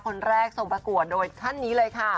คนแรกทรงประกวดโดยท่านนี้เลยค่ะ